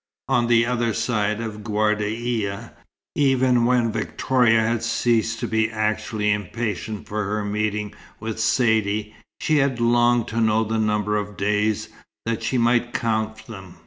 On the other side of Ghardaia, even when Victoria had ceased to be actually impatient for her meeting with Saidee, she had longed to know the number of days, that she might count them.